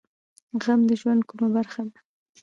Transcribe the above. غم د ژوند کومه برخه ده؟